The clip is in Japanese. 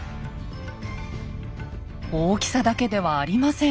大きさだけではありません。